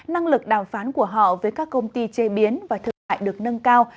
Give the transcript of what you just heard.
năng lực đàm phán của họ với các công ty chế biến và thực tại được nâng cao